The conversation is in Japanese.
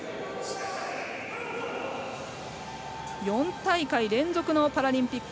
４大会連続のパラリンピック